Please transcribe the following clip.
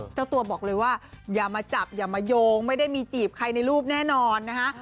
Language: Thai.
เจ้าตัวบอกเลยว่าอย่ามาจับอย่ามาโยงไม่ได้มีจีบใครในรูปแน่นอนนะคะ